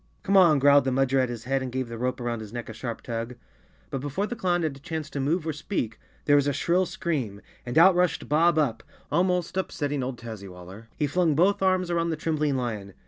" Come on," growled the Mudger at his head and gave the rope around his neck a sharp tug. But before the clown had a chance to move or speak, there was a shrill scream, and out rushed Bob Up, almost upsetting old Tazzy waller. He flung both arms around the trembling lion.